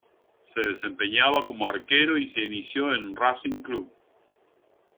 Se desempeñaba como arquero y se inició en Racing Club.